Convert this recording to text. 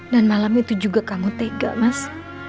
malam itu juga kamu tega mas